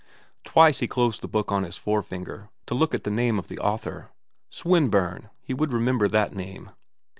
Twice he closed the book on his forefinger to look at the name of the author. Swinburne! he would remember that name.